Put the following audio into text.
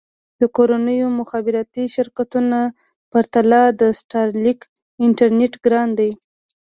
د کورنیو مخابراتي شرکتونو پرتله د سټارلېنک انټرنېټ ګران دی.